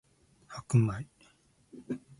白米